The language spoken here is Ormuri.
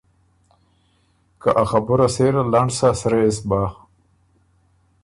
که ا خبُره سېره لنډ سۀ سرۀ يې سو بۀ۔